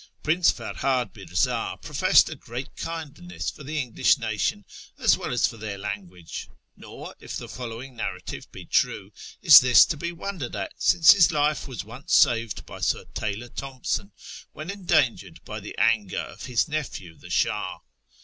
Prince Eerhad Mi'rza professed a great kindliness for the English nation as well as for their language ; nor, if the follow ing narrative be true, is this to be wondered at, since his life was once saved by Sir Taylor Thomson when endangered by the anger of his nephew, the Shah.